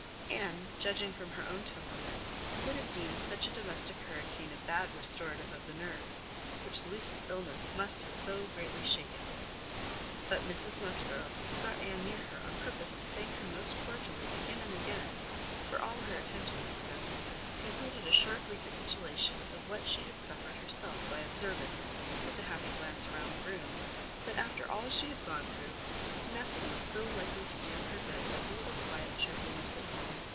Anne, judging from her own temperament, would have deemed such a domestic hurricane a bad restorative of the nerves, which Louisa's illness must have so greatly shaken. But Mrs Musgrove, who got Anne near her on purpose to thank her most cordially, again and again, for all her attentions to them, concluded a short recapitulation of what she had suffered herself by observing, with a happy glance round the room, that after all she had gone through, nothing was so likely to do her good as a little quiet cheerfulness at home.